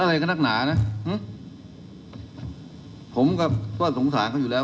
อะไรก็นักหนานะอืมผมก็สงสารเขาอยู่แล้ว